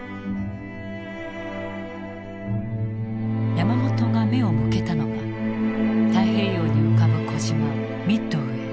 山本が目を向けたのが太平洋に浮かぶ小島ミッドウェー。